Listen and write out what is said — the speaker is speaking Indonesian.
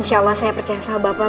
insya allah saya percaya sama bapak